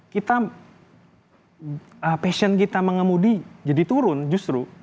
kita passion kita mengemudi jadi turun justru